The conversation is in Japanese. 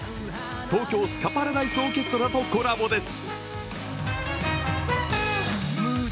東京スカパラダイスオーケストラとコラボです